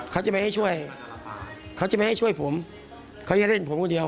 เขาจะไม่ให้ช่วยเขาจะไม่ให้ช่วยผมเขาจะเล่นผมคนเดียว